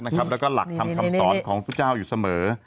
และก็หลักทำคำสอนของพุทธเจ้าอยู่เสมอ